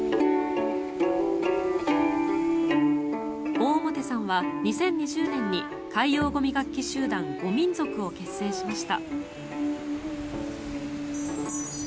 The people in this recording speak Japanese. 大表さんは２０２０年に海洋ゴミ楽器集団ゴミンゾクを結成しました。